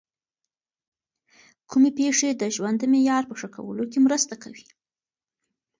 کومې پېښې د ژوند د معیار په ښه کولو کي مرسته کوي؟